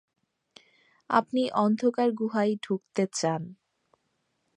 আপনি অন্ধকার গুহায় ঢুকতে চান।